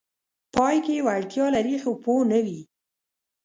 پای کې وړتیا لري خو پوه نه وي: